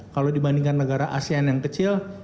kalau dibandingkan negara asean yang kecil